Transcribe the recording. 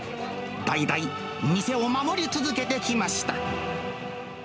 代々、店を守り続けてきました。